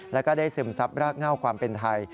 และได้ซึมทรัพย์รากเง่าความเป็นไทย